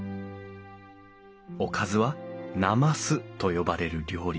おかずは膾と呼ばれる料理。